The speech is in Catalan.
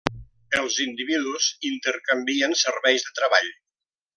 Els individus intercanvien serveis de treball.